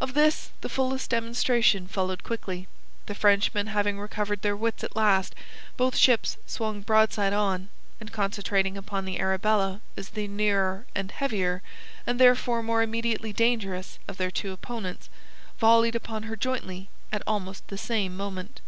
Of this the fullest demonstration followed quickly. The Frenchmen having recovered their wits at last, both ships swung broadside on, and concentrating upon the Arabella as the nearer and heavier and therefore more immediately dangerous of their two opponents, volleyed upon her jointly at almost the same moment.